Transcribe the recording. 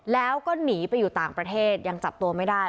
แล้วก็หนีไปอยู่ต่างประเทศยังจับตัวไม่ได้